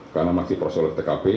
karena masih proses tkp